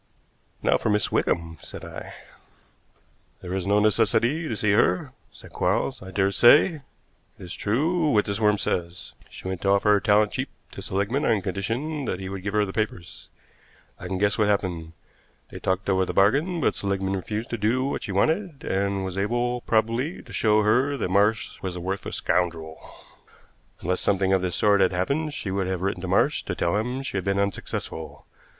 "Now for Miss Wickham," said I. "There is no necessity to see her," said Quarles. "I dare say it is true what this worm says. She went to offer her talent cheap to Seligmann on condition that he would give her the papers. I can guess what happened. They talked over the bargain, but Seligmann refused to do what she wanted, and was able, probably, to show her that Marsh was a worthless scoundrel. Unless something of this sort had happened she would have written to Marsh to tell him she had been unsuccessful.